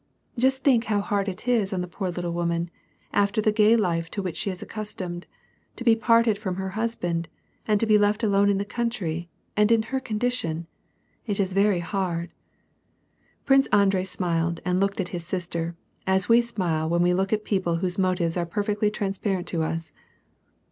* Just think how hard it is on the poor little woman, after the gay life to which she is accustomed, to be parted from her husband, and to be left alone in the country, and in her condition ! It is very hard !". Prince Andrei smiled and looked at his sister, as we smile when we look at people whose motives are perfectly transparent to us.